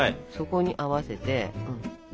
そこに合わせて。